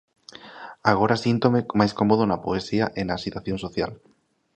Agora síntome máis cómodo na poesía e na axitación social.